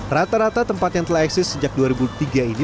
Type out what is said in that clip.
rata rata tempat yang telah eksis sejak dua ribu tiga ini